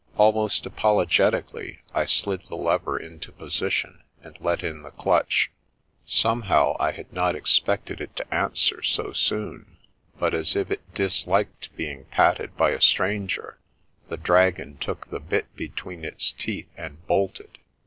Almost apologetically, I slid the lever into position, and let in the clutch. Somehow, 38 The Princess Passes I had not expected it to answer so soon ; but, as if it disliked being patted by a stranger, the dragon took the bit between its teeth and bolted.